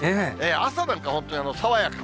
朝なんか本当に爽やか。